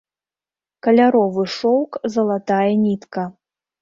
Каляровы шоўк, залатная нітка.